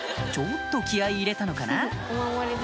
ちょっと気合入れたのかな？